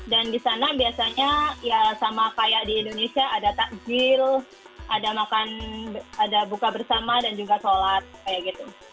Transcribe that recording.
di sana biasanya ya sama kayak di indonesia ada takjil ada buka bersama dan juga sholat kayak gitu